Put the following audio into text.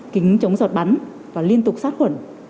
kính chống giọt bắn và liên tục sát khuẩn